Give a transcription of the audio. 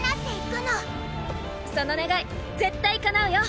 その願い絶対かなうよ